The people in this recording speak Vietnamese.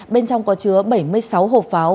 bên trong có chứa bảy mươi sáu hộp pháo